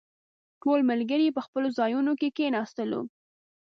ټول ملګري په خپلو ځايونو کې کښېناستلو.